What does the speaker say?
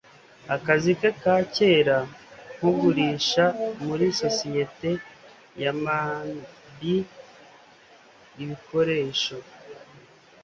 akazi ke ka kera nkugurisha muri sosiyete ya manbee ibikoresho